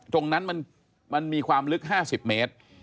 ตรงนั้นมันมีความลึก๕๐เมตร